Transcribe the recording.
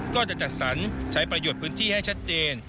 ก็จะจัดสรรใช้ประโยชน์พื้นที่ให้ชัดเจน